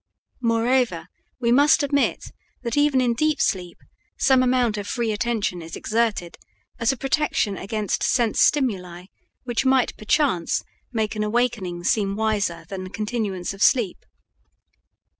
Moreover, we must admit that even in deep sleep some amount of free attention is exerted as a protection against sense stimuli which might, perchance, make an awakening seem wiser than the continuance of sleep.